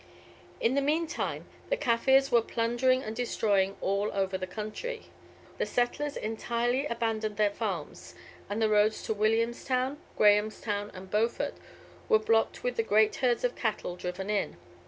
In the meantime, the Kaffirs were plundering and destroying all over the country. The settlers entirely abandoned their farms; and the roads to Williamstown, Grahamstown, and Beaufort were blocked with the great herds of cattle driven in.